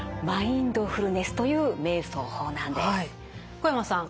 小山さん